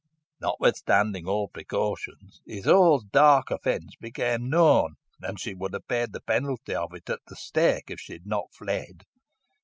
"Notwithstanding all precautions, Isole's dark offence became known, and she would have paid the penalty of it at the stake, if she had not fled.